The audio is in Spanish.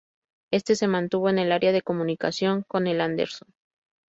Este se mantuvo en el área de comunicación con el "Anderson".